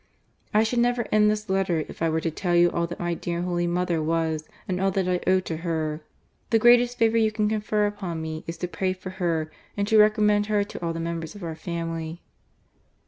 I should never end this letter if I were to tell you all that my dear, holy mother was, and all that I owe to her. The greatest favour you can confer upon me, is to pray for her and to recommend her to all the members of our family."